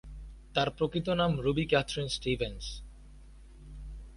তার প্রকৃত নাম রুবি ক্যাথরিন স্টিভেন্স।